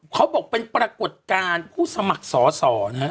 เขาบอกเป็นปรากฏการณ์ผู้สมัครสอสอนะฮะ